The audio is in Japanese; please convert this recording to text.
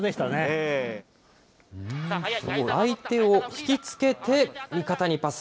相手を引き付けて、味方にパス。